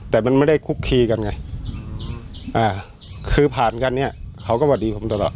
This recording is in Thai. แต่มันไม่ได้คุกคีกันไงอ่าคือผ่านกันเนี่ยเขาก็มาดีผมตลอด